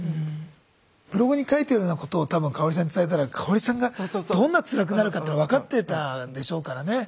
ブログに書いてるようなことを多分香さんに伝えたら香さんがどんなつらくなるかっての分かってたんでしょうからね。